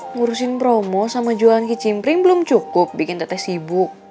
ngurusin promo sama jualan kicimpring belum cukup bikin tetes sibuk